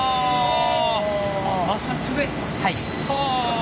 摩擦で？